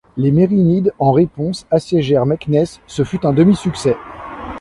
Les Mérinides en réponse assiégèrent Meknès, ce fut un demi-succès.